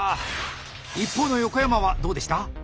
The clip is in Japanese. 一方の横山はどうでした？